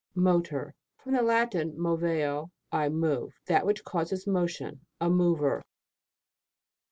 MOTOR. From the Latin, moveo, I move. That which causes motion. A mover.